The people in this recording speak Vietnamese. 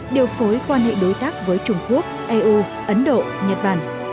điều phối quan hệ đối tác với trung quốc eu ấn độ nhật bản